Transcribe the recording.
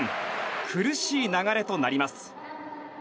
苦しい流れとなります。